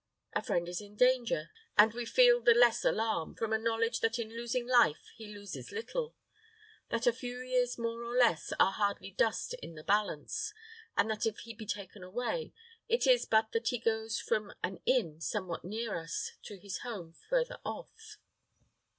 A friend is in danger, and we feel the less alarm, from a knowledge that in losing life he loses little that a few years more or less are hardly dust in the balance, and that if he be taken away, it is but that he goes from an inn somewhat near us to his home further off.